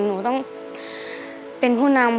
หนูต้องเป็นผู้นำ